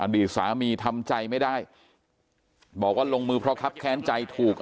ดีสามีทำใจไม่ได้บอกว่าลงมือเพราะครับแค้นใจถูก